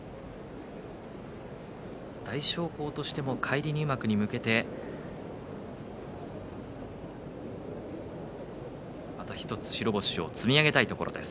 大翔鵬としても返り入幕に向けてまた１つ白星を積み上げたいところです。